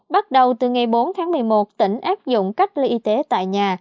bắt đầu từ ngày bốn tháng một mươi một tỉnh áp dụng cách ly y tế tại nhà